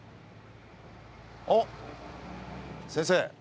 あっ先生。